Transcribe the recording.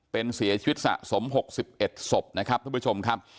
เป็นเสียชีวิตสะสม๖๑ศพนะครับท่านผู้ชมครับ